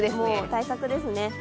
対策ですね。